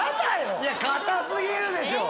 いやかたすぎるでしょ！